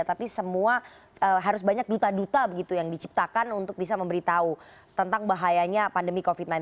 tapi semua harus banyak duta duta begitu yang diciptakan untuk bisa memberitahu tentang bahayanya pandemi covid sembilan belas